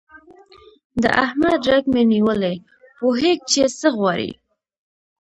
د احمد رګ مې نیولی، پوهېږ چې څه غواړي.